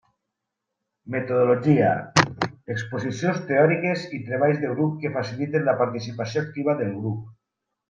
Metodologia: exposicions teòriques i treballs de grup que faciliten la participació activa del grup.